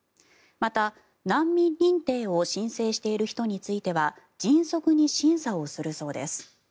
また、難民認定を申請している人については迅速に審査をするそうです。